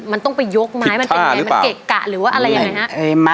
มันต้องไปยกไม้มันเป็นยังไงผิดท่าหรือเปล่ามันเกะกะหรือว่าอะไรยังไงฮะ